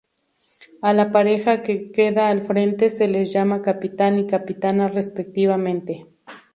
A la pareja que queda al frente se les llama capitán y capitana respectivamente.